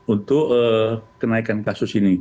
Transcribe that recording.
untuk kenaikan kasus ini